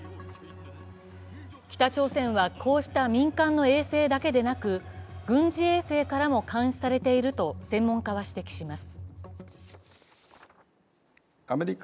北朝鮮はこうした民間の衛星だけでなく軍事衛星からも監視されていると専門家は指摘します。